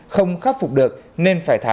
không khắc phục được nên phải thả